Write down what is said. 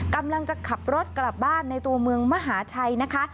กำลังจะขับรถกลับบ้านในตัวเมืองมหาชัยนะคะ